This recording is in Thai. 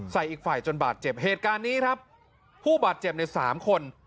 อีกฝ่ายจนบาดเจ็บเหตุการณ์นี้ครับผู้บาดเจ็บในสามคน